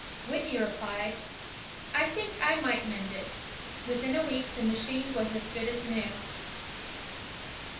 Whitney replied, *'I think I might mend it." Within a week the machine was as good as new.